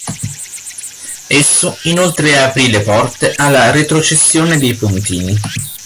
Esso inoltre aprì le porte alla retrocessione dei pontini.